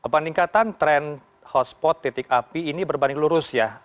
peningkatan tren hotspot titik api ini berbanding lurus ya